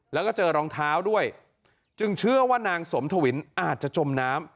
แล้วก็เจอรองเท้าด้วยจึงเชื่อว่านางสมทวินอาจจะจมน้ำ